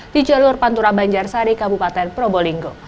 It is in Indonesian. di jalur pantura banjarsari kabupaten probolinggo